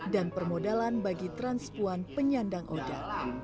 dan permodalan bagi transpuan penyandang oda